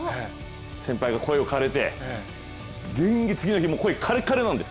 先輩が声枯れて、次の日もう声、カレッカレなんです。